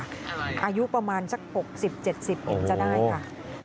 อายุประมาณสัก๖๐๗๐เองจะได้ค่ะ